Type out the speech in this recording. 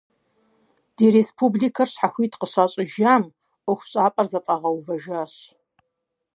Ди республикэр щхьэхуит къыщащӏыжам, ӏуэхущӏапӏэр зэфӏагъэувэжащ.